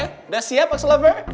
udah siap axelover